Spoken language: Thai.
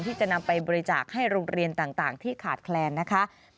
ที่จะนำไปบริจาคให้โรงเรียนต่างที่ขาดแคลนนะคะ